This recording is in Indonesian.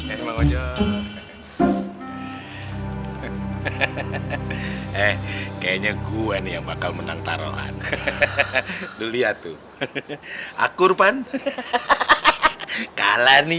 eh kayaknya gua nih yang bakal menang taruhan hahaha lihat tuh aku rupan kalani